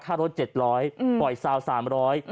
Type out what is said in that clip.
ฆ่ารถ๗๐๐ป่อยทรัพย์๓๐๐